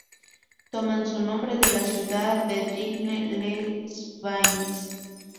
Toman su nombre de la ciudad de Digne-les-Bains.